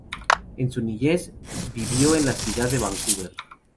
En su niñez, vivió en la ciudad de Vancouver.